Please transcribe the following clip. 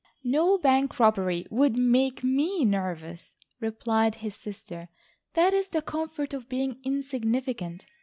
"No bank robbery would make me nervous," replied his sister, "that is the comfort of being insignificant.